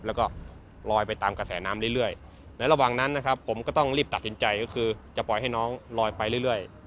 แล้วก็ลอยไปตามกระแสน้ำเรื่อยและระหว่างนั้นนะครับผมก็ต้องรีบตัดสินใจก็คือจะปล่อยให้น้องลอยไปเรื่อย